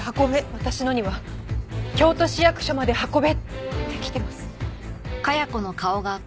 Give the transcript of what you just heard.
私のには「京都市役所まで運べ」ってきてます。